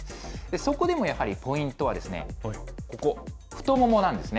そこでもやっぱり、ポイントはここ、太ももなんですね。